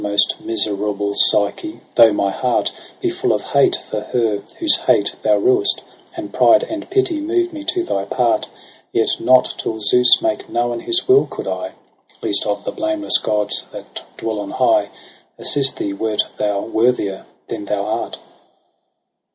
Most miserable Psyche j though my heart Be full of hate for her whose hate thou ruest, And pride and pity move me to thy part : Yet not till Zeus make known his wiU, coud I, Least of the blameless gods that dwell on high. Assist thee, wert thou worthier than thou art.